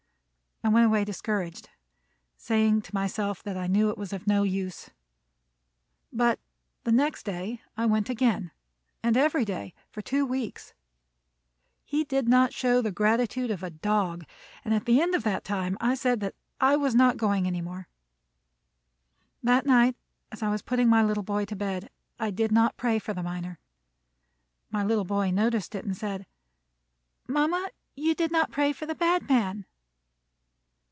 I went away discouraged, saying to myself that I knew it was of no use. But the next day I went again, and every day for two weeks. He did not show the gratitude of a dog, and at the end of that time I said that I was not going any more. That night as I was putting my little boy to bed, I did not pray for the miner. My little boy noticed it and said: "Mama, you did not pray for the bad man."